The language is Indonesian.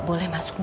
dan siapkan sony